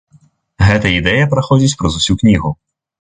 Гэта ідэя праходзіць праз усю кнігу.